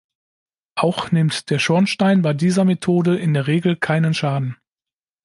Auch nimmt der Schornstein bei dieser Methode in der Regel keinen Schaden.